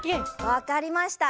わかりました。